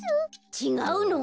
ちがうの？